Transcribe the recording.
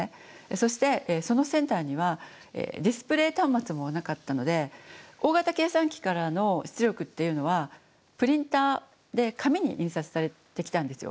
そしてそのセンターにはディスプレー端末もなかったので大型計算機からの出力っていうのはプリンターで紙に印刷されてきたんですよ。